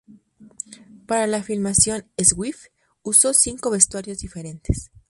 Para la filmación, Swift usó cinco vestuarios diferentes.